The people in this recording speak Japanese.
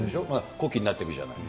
子機になっていくじゃない。